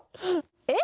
えっ？